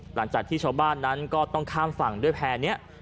หลังจากที่ชาวบ้านนั้นก็ต้องข้ามฝั่งด้วยแพร่นี้